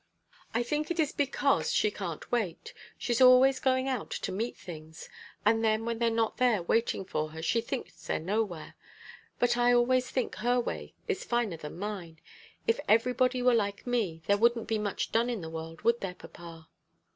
"I think it is because she can't wait. She's always going out to meet things; and then when they're not there waiting for her, she thinks they're nowhere. But I always think her way is finer than mine. If everybody were like me, there wouldn't be much done in the world, would there, papa?"